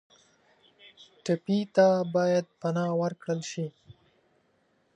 ټپي ته باید پناه ورکړل شي.